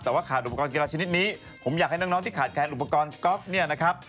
แต่ว่าขาดอุปกรณ์กีฬาชนิดนี้ผมอยากให้น้องที่ขาดแคลนอุปกรณ์ก๊อฟเนี่ยนะครับ